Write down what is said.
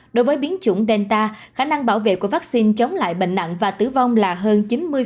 đối với biến chủng delta khả năng bảo vệ của vaccine chống lại bệnh nặng và tử vong là hơn chín mươi